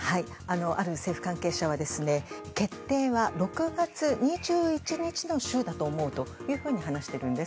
ある政府関係者は決定は６月２１日の週だと思うというふうに話しているんです。